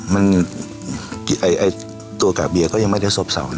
มันตัวกาเบียก็ยังไม่ได้ซบเศร้า